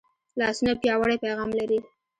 لاسونه پیاوړی پیغام لري